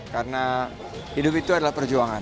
karena hidup itu adalah perjuangan